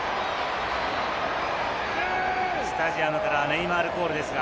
スタジアムからはネイマールコールですが。